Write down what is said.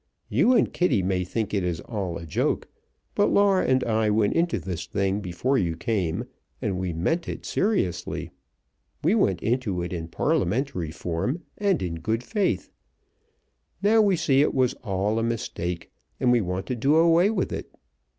You and Kitty may think it is all a joke, but Laura and I went into this thing before you came, and we meant it seriously. We went into it in parliamentary form, and in good faith. Now we see it was all a mistake and we want to do away with it.